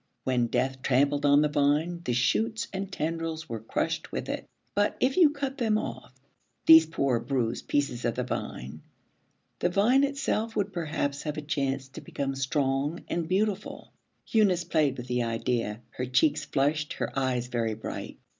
When Death trampled on the vine, the shoots and tendrils were crushed with it. But if you cut them off, these poor bruised pieces of the vine, the vine itself would perhaps have a chance to become strong and beautiful. Eunice played with the idea, her cheeks flushed, her eyes very bright.